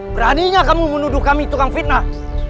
beraninya kamu menuduh kami tukang fitnah